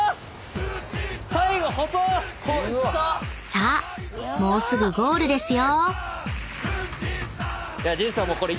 ［さあもうすぐゴールですよ］